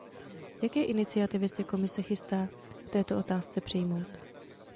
Jaké iniciativy se Komise chystá v této otázce přijmout?